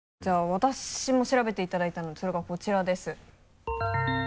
私も調べていただいたのでそれがこちらです。